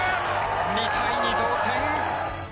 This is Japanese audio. ２対２、同点。